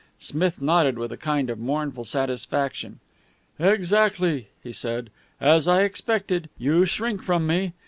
Smith nodded with a kind of mournful satisfaction. "Exactly!" he said. "As I expected! You shrink from me.